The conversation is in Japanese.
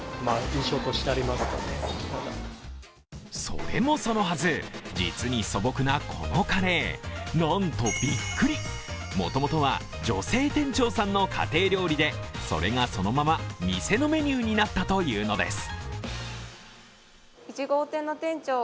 それもそのはず、実に素朴なこのカレー、なんとビックリ、もともとは女性店長さんの家庭料理でそれがそのまま店のメニューになったというのです。